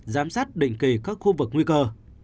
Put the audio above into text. giám sát định kỳ các khu vực nguy cơ